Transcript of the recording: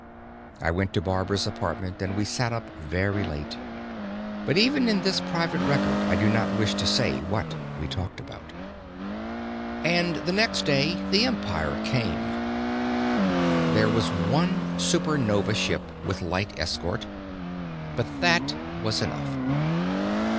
I went to Barbara's apartment and we sat up very late. But even in this private record I do not wish to say what we talked about. And the next day the Empire came. There was one Supernova ship with light escort, but that was enough.